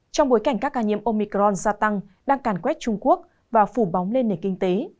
trong bối cảnh các ca nhiễm omicron gia tăng đang càn quét trung quốc và phủ bóng lên nền kinh tế